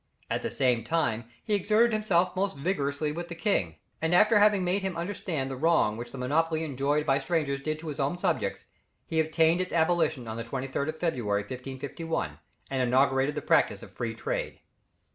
At the same time he exerted himself most vigorously with the king, and having made him understand the wrong which the monopoly enjoyed by strangers did to his own subjects, he obtained its abolition on the 23rd of February, 1551, and inaugurated the practice of free trade.